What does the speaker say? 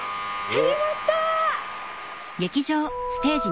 始まった！